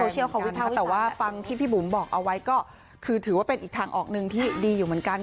เขาวิทักษ์แต่ว่าฟังที่พี่บุ๋มบอกเอาไว้ก็คือถือว่าเป็นอีกทางออกหนึ่งที่ดีอยู่เหมือนกัน